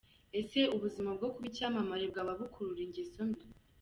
Ese ubuzima bwo kuba icyamamare bwaba bukurura ingeso mbi?.